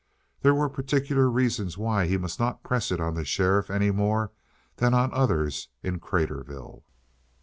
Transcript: There were particular reasons why he must not press it on the sheriff any more than on others in Craterville.